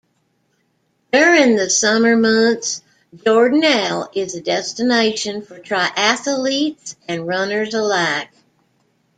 During the summer months Jordanelle is a destination for triathletes and runners alike.